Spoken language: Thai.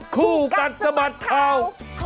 คู่กัดสมัครเท้า